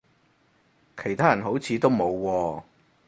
其他人好似都冇喎